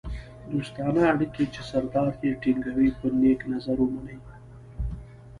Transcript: دوستانه اړیکې چې سردار یې ټینګوي په نېک نظر ومني.